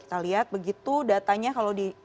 kita lihat begitu datanya kalau di